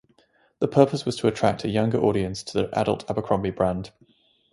The purpose was to attract a younger audience to the adult Abercrombie brand.